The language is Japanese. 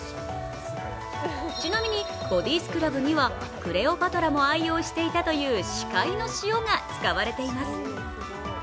ちなみにボディスクラブには、クレオパトラも愛用していたという死海の塩が使われています。